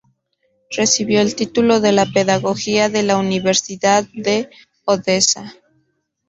Recibió el título de la pedagogía de la Universidad de Odessa.